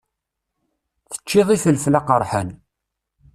Teččiḍ ifelfel aqeṛḥan.